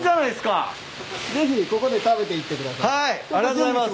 ありがとうございます。